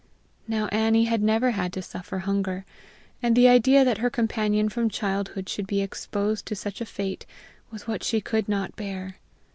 Now Annie had never had to suffer hunger, and the idea that her companion from childhood should be exposed to such a fate was what she could not bear.